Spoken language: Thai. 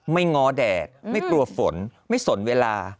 ง้อแดดไม่กลัวฝนไม่สนเวลา